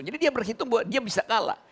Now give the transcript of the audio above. jadi dia berhitung bahwa dia bisa kalah